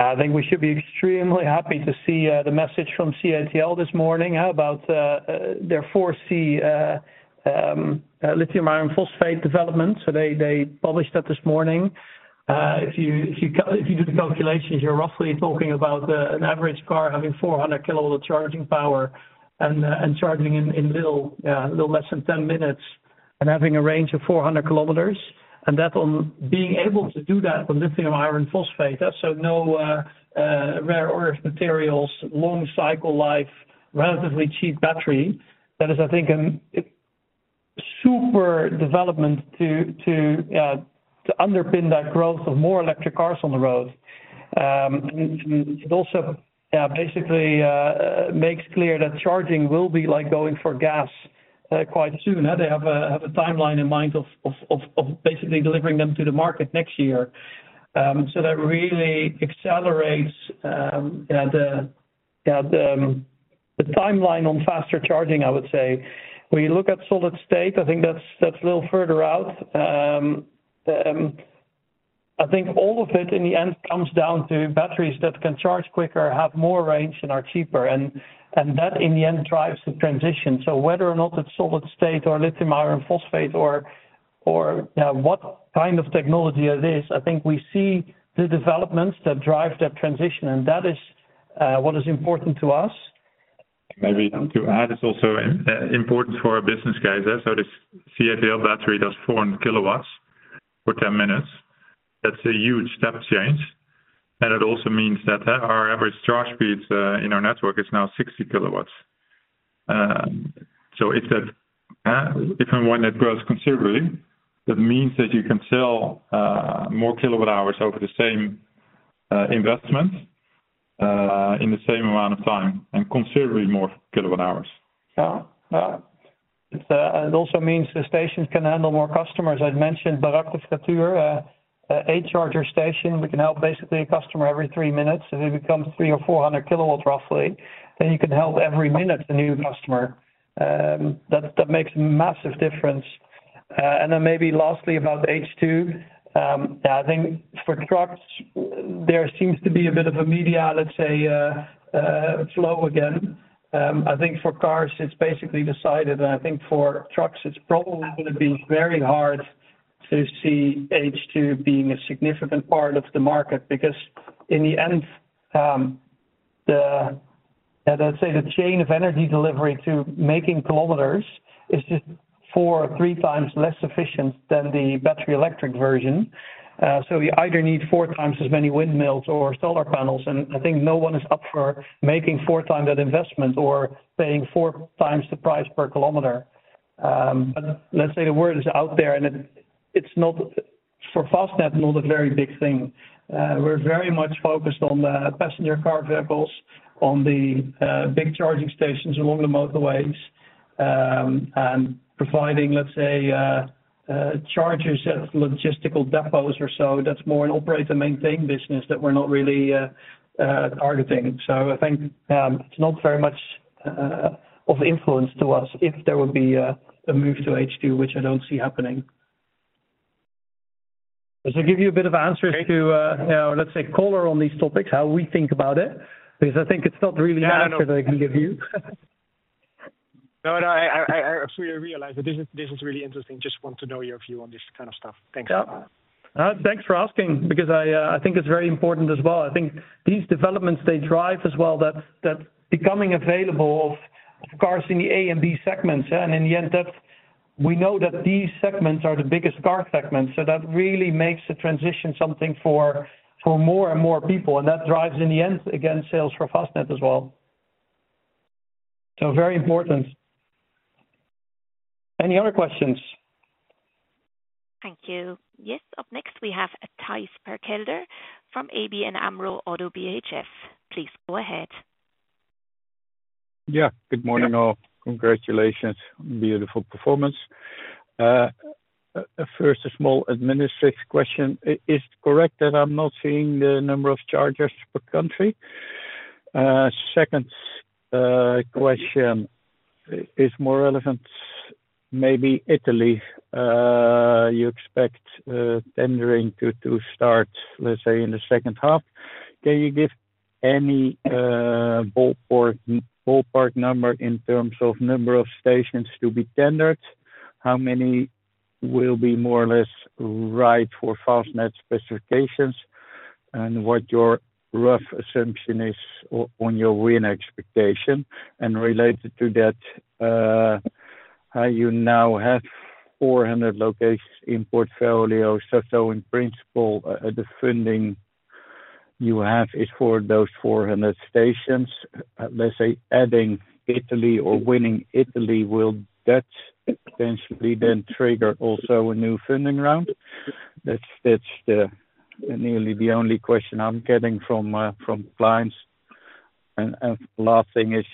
B: I think we should be extremely happy to see the message from CATL this morning about their 4C lithium iron phosphate development. They, they published that this morning. If you, if you, if you do the calculations, you're roughly talking about an average car having 400 kilowatt of charging power and charging in little, little less than 10 minutes, and having a range of 400 kilometers, and that on being able to do that on lithium iron phosphate, so no rare earth materials, long cycle life, relatively cheap battery. That is, I think, it super development to, to underpin that growth of more electric cars on the road. It also, basically, makes clear that charging will be like going for gas quite soon. Now, they have a timeline in mind of basically delivering them to the market next year. That really accelerates, yeah, the, yeah, the timeline on faster charging, I would say. We look at solid state, I think that's a little further out. I think all of it in the end, comes down to batteries that can charge quicker, have more range and are cheaper, and that in the end, drives the transition. Whether or not it's solid state or lithium iron phosphate or what kind of technology it is, I think we see the developments that drive that transition, and that is what is important to us.
C: Maybe to add, is also important for our business guys. This CATL battery does 400 kilowatts for 10 minutes. That's a huge step change, and it also means that our average charge speeds in our network is now 60 kilowatts. It's a different one that grows considerably. That means that you can sell more kilowatt-hours over the same investment in the same amount of time, and considerably more kilowatt-hours.
B: Yeah. Yeah. It, it also means the stations can handle more customers. I'd mentioned, but at the Fraiture, 8 charger station, we can help basically a customer every 3 minutes, and it becomes 300 or 400 kilowatts, roughly, then you can help every minute, the new customer. That, that makes a massive difference. Then maybe lastly, about H2. I think for trucks, there seems to be a bit of a media, let's say, flow again. I think for cars, it's basically decided, and I think for trucks it's probably going to be very hard to see H2 being a significant part of the market, because in the end, the, let's say, the chain of energy delivery to making kilometers is just 4 or 3 times less efficient than the battery electric version. You either need 4 times as many windmills or solar panels, and I think no one is up for making 4 times that investment or paying 4 times the price per kilometer. Let's say the word is out there, and it, it's not for Fastned, not a very big thing. We're very much focused on the passenger car vehicles, on the big charging stations along the motorways, and providing, let's say, chargers at logistical depots or so. That's more an operate and maintain business that we're not really targeting. I think, it's not very much of influence to us if there would be a move to H2, which I don't see happening. Does it give you a bit of answers to, let's say, color on these topics, how we think about it? I think it's not really an answer that I can give you.
G: No, no, I, I, I absolutely realize that this is, this is really interesting. Just want to know your view on this kind of stuff. Thanks.
B: Yeah. Thanks for asking, because I, I think it's very important as well. I think these developments, they drive as well, that becoming available of cars in the A and B segments, and in the end, that we know that these segments are the biggest car segments. That really makes the transition something for more and more people, and that drives, in the end, again, sales for Fastned as well. Very important. Any other questions?
A: Thank you. Yes. Up next, we have a Thijs Berkelder from ABN AMRO-ODDO BHF. Please go ahead.
H: Yeah. Good morning, all. Congratulations. Beautiful performance. First, a small administrative question. Is correct that I'm not seeing the number of chargers per country? Second, question is more relevant, maybe Italy. You expect tendering to start, let's say, in the second half. Can you give any ballpark, ballpark number in terms of number of stations to be tendered? How many will be more or less right for Fastned specifications? Related to that, how you now have 400 locations in portfolio. In principle, the funding you have is for those 400 stations, let's say, adding Italy or winning Italy, will that potentially then trigger also a new funding round? That's, that's the, nearly the only question I'm getting from clients. Last thing is,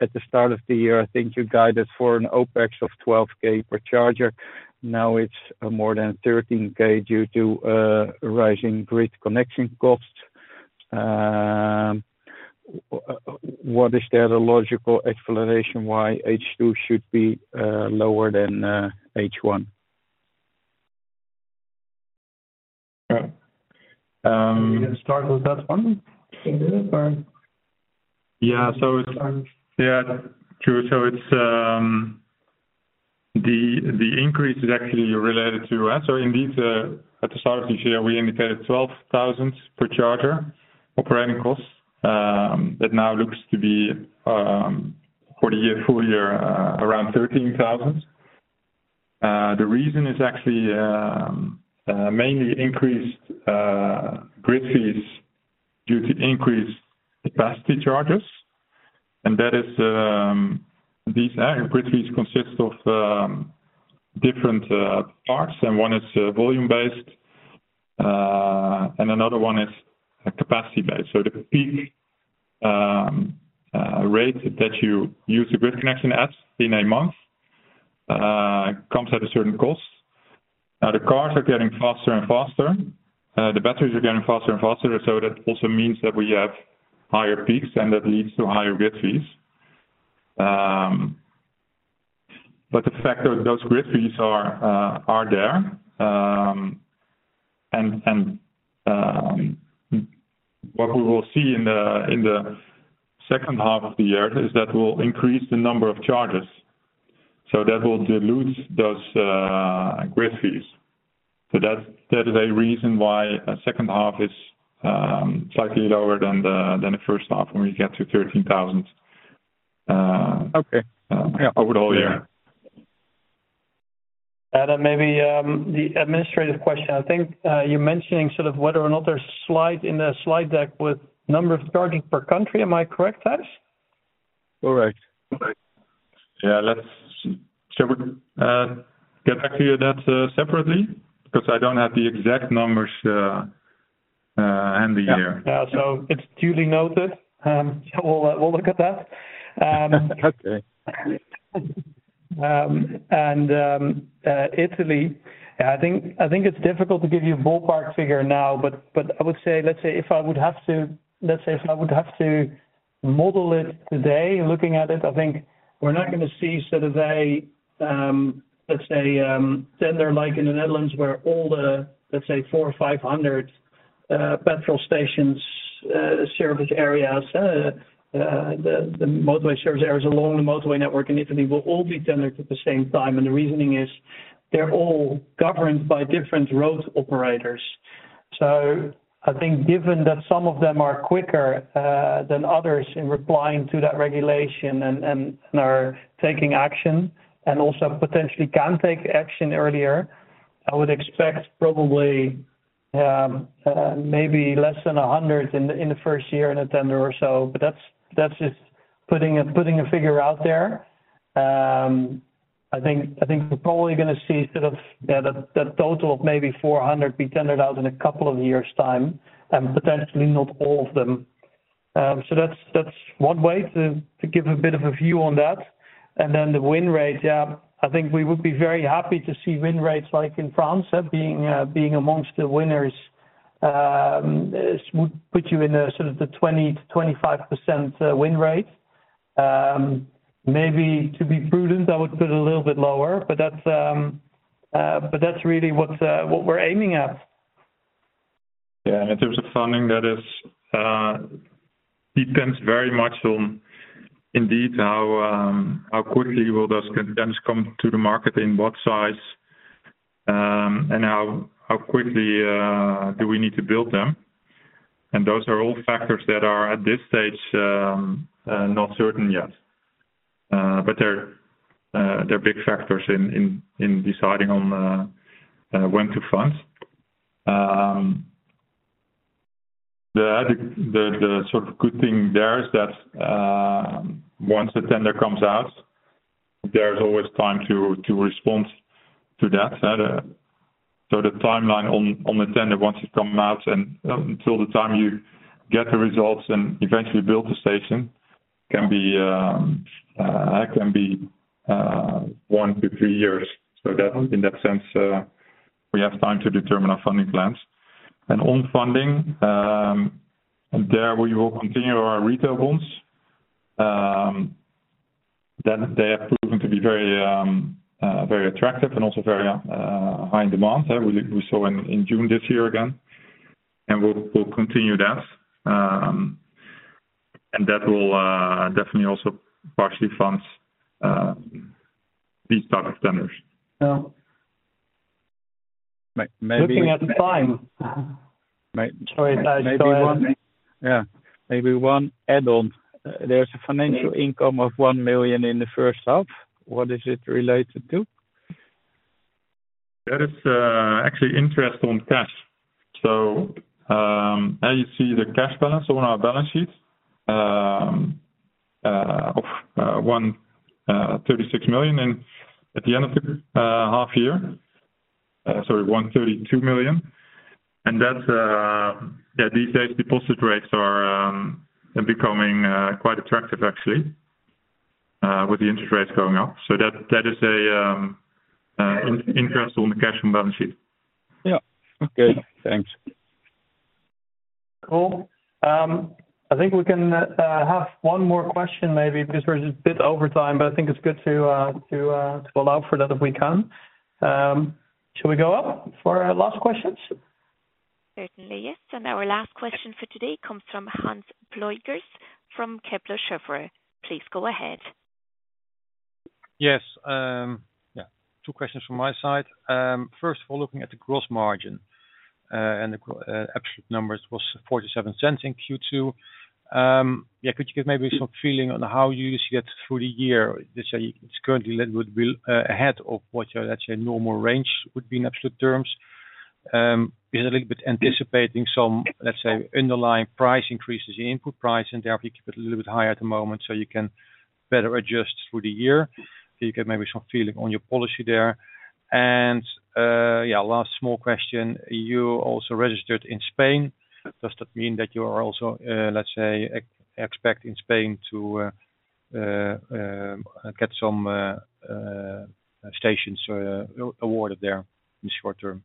H: at the start of the year, I think you guided for an OPEX of 12,000 per charger. Now it's more than 13,000 due to rising grid connection costs. What is the other logical explanation why H2 should be lower than H1?
B: Right. Start with that one.
C: Yeah. it's, yeah, true. The increase is actually related to, in these, at the start of this year, we indicated 12,000 per charger operating costs, that now looks to be for the year, full year, around 13,000. The reason is actually mainly increased grid fees due to increased capacity charges, that is, these grid fees consist of different parts, one is volume-based, and another one is a capacity-based. The peak rate that you use the grid connection as in a month comes at a certain cost. Now, the cars are getting faster and faster. The batteries are getting faster and faster, that also means that we have higher peaks, that leads to higher grid fees. The fact that those grid fees are, are there, and, and, what we will see in the, in the second half of the year is that will increase the number of charges, so that will dilute those, grid fees. That, that is a reason why a second half is, slightly lower than the, than the first half, when we get to 13,000.
B: Okay.
C: Over the whole year.
B: Then maybe, the administrative question. I think, you're mentioning sort of whether or not there's slide in the slide deck with number of chargers per country. Am I correct, Thijs?
C: All right. All right. Yeah, let's, shall we, get back to you that, separately, because I don't have the exact numbers, handy here.
B: Yeah, it's duly noted. We'll, we'll look at that.
C: Okay.
B: Italy, I think, I think it's difficult to give you a ballpark figure now, but, but I would say, let's say if I would have to, let's say if I would have to model it today, looking at it, I think we're not gonna see sort of a, let's say, tender like in the Netherlands, where all the, let's say, 400 or 500, petrol stations, service areas, the, the motorway service areas along the motorway network in Italy will all be tendered at the same time, and the reasoning is they're all governed by different road operators. I think given that some of them are quicker, than others in replying to that regulation and are taking action, and also potentially can take action earlier, I would expect probably, maybe less than 100 in the first year in a tender or so, but that's, that's just putting a figure out there. I think, I think we're probably gonna see sort of, yeah, that total of maybe 400 be tendered out in a couple of years' time, and potentially not all of them. That's, that's one way to give a bit of a view on that. The win rate, yeah, I think we would be very happy to see win rates like in France, being, being amongst the winners, is would put you in a sort of the 20%-25% win rate. Maybe to be prudent, I would put it a little bit lower, but that's, but that's really what we're aiming at.
C: Yeah, in terms of funding, that is, depends very much on indeed, how quickly will those tenants come to the market, in what size, and how quickly do we need to build them. Those are all factors that are, at this stage, not certain yet. They're big factors in deciding on when to fund. The sort of good thing there is that once the tender comes out, there's always time to respond to that. The timeline on the tender, once it comes out and till the time you get the results and eventually build the station, can be 1 to 3 years. That, in that sense, we have time to determine our funding plans. On funding, there we will continue our retail bonds, then they have proven to be very attractive and also very high in demand. We, we saw in June this year again, and we'll continue that. That will definitely also partially fund these type of tenders.
B: Yeah. Looking at the time. Sorry, Thijs, go ahead.
H: Yeah. Maybe one add-on. There's a financial income of 1 million in the first half. What is it related to?
C: That is actually interest on cash. As you see, the cash balance on our balance sheet of 136 million, and at the end of the half year, sorry, 132 million, and that's these days, deposit rates are becoming quite attractive actually, with the interest rates going up. That, that is an interest on the cash and balance sheet.
H: Yeah. Okay, thanks.
B: Cool. I think we can have one more question, maybe, because we're a bit over time, but I think it's good to to to allow for that if we can. Shall we go up for our last questions?
A: Certainly, yes. Our last question for today comes from Hans Pluijgers from Kepler Cheuvreux. Please go ahead.
I: Yes, two questions from my side. First of all, looking at the gross margin, and the absolute numbers was 0.47 in Q2. Could you give maybe some feeling on how you see it through the year? Let's say, it's currently ahead of what your normal range would be in absolute terms. You're a little bit anticipating some underlying price increases, the input price, and therefore, you keep it a little bit higher at the moment, so you can better adjust through the year. You get maybe some feeling on your policy there. Last small question, you also registered in Spain. Does that mean that you are also, let's say, expect in Spain to get some stations awarded there in the short term?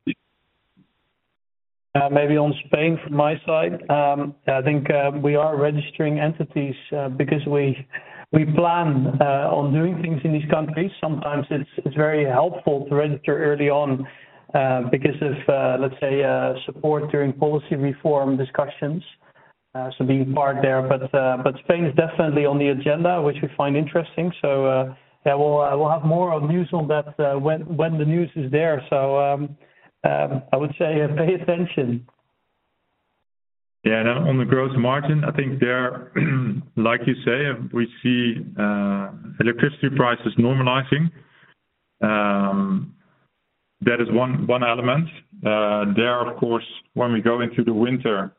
B: Maybe on Spain from my side. I think we are registering entities because we plan on doing things in these countries. Sometimes it's very helpful to register early on because of, let's say, support during policy reform discussions, so being part there. Spain is definitely on the agenda, which we find interesting. Yeah, we'll, I will have more on news on that when the news is there. I would say, pay attention.
C: On the gross margin, I think there, like you say, we see electricity prices normalizing. That is one, one element. There, of course, when we go into the winter,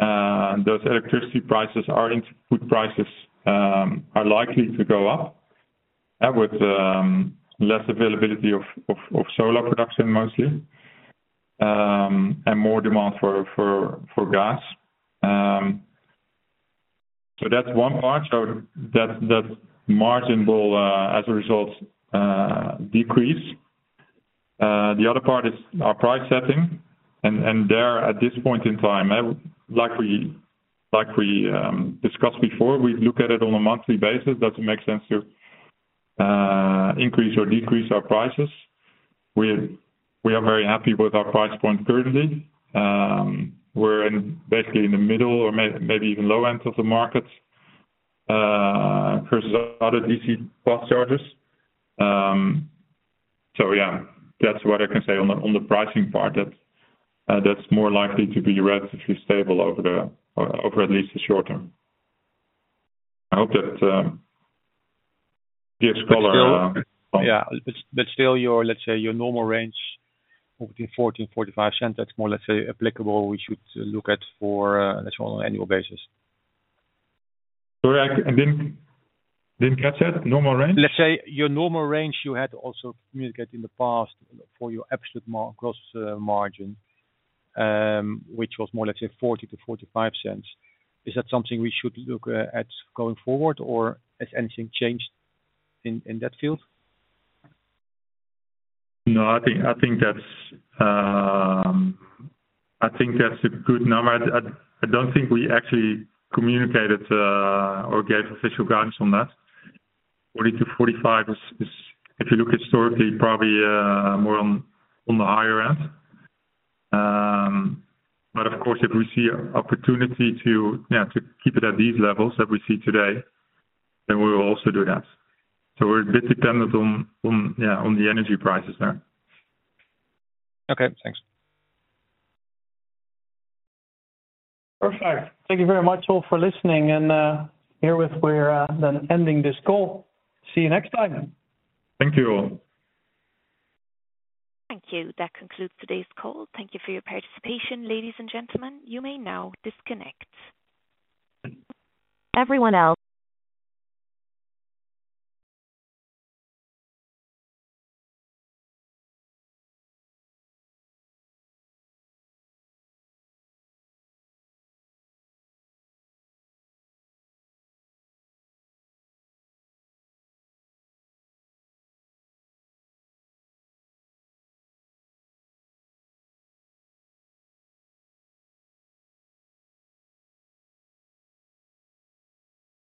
C: those electricity prices are input prices, are likely to go up with less availability of, of, of solar production, mostly, and more demand for, for, for gas. That's one part. That, the margin will, as a result, decrease. The other part is our price setting, and there at this point in time, like we, like we discussed before, we look at it on a monthly basis. Does it make sense to increase or decrease our prices? We're, we are very happy with our price point currently. We're in, basically in the middle or maybe even low end of the markets, versus a lot of DC fast chargers. Yeah, that's what I can say on the, on the pricing part. That's, that's more likely to be relatively stable over the, over, at least the short term. I hope that gives color.
I: Yeah, but still your, let's say, your normal range of between 0.40 and 0.45, that's more, let's say, applicable, we should look at for, let's say, on an annual basis.
C: Sorry, I, I didn't, didn't catch that. Normal range?
I: Let's say, your normal range, you had also communicated in the past for your absolute gross margin, which was more, let's say, 0.40-0.45. Is that something we should look at going forward, or has anything changed in that field?
C: No, I think, I think that's, I think that's a good number. I, I, I don't think we actually communicated or gave official guidance on that. 40 to 45 is, is, if you look historically, probably more on, on the higher end. Of course, if we see opportunity to, yeah, to keep it at these levels that we see today, then we will also do that. We're a bit dependent on, on, yeah, on the energy prices there.
I: Okay, thanks.
B: Perfect. Thank you very much all for listening and, herewith, we're, then ending this call. See you next time.
C: Thank you all.
A: Thank you. That concludes today's call. Thank you for your participation, ladies and gentlemen. You may now disconnect. Everyone else.